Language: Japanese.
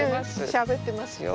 しゃべってますよ。